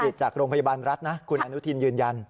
จากโรงพยาบาลรัฐนะคุณอนุทินยืนยัน